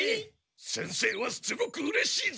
先生はすごくうれしいぞ！